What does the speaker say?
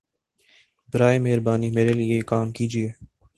براہَ مہربانی میرے لیے یہ کام کیجیے